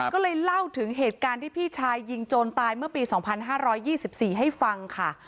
ก็เลยเล่าถึงเหตุการณ์ที่พี่ชายยิงโจรตายเมื่อปี๒๕๒๔ให้ฟังค่ะ